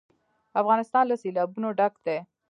افغانستان له سیلابونه ډک دی.